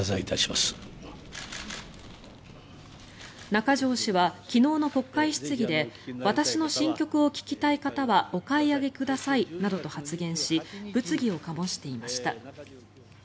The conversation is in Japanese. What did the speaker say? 中条氏は昨日の国会質疑で私の新曲を聴きたい方はお買い上げくださいなどと発言し物議を醸していました。